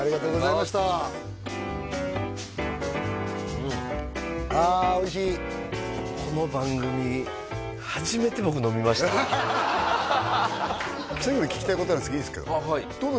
うんあおいしいこの番組初めて僕飲みましたわ最後に聞きたいことあるんですけどいいですか？